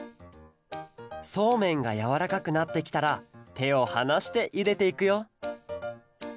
そうめんがやわらかくなってきたらてをはなしていれていくよ